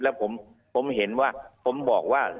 แล้วผมเห็นว่าผมบอกว่า